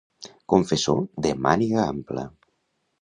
Confessor de màniga ampla.